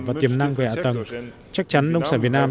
và tiềm năng về hạ tầng chắc chắn nông sản việt nam